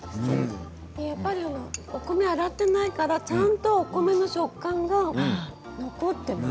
やっぱりお米を洗っていないからちゃんとお米の食感が残っています。